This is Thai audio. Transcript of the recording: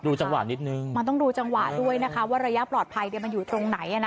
มันต้องดูจังหวะด้วยนะคะว่าระยะปลอดภัยมันอยู่ตรงไหน